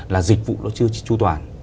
là dịch vụ nó chưa tru toàn